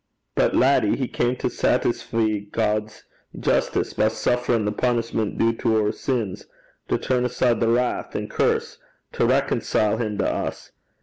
'But, laddie, he cam to saitisfee God's justice by sufferin' the punishment due to oor sins; to turn aside his wrath an' curse; to reconcile him to us.